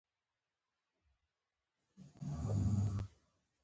زه مسلمان یم او پر اسلام باور لرم.